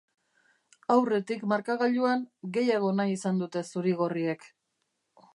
Aurretik markagailuan, gehiago nahi izan dute zurigorriek.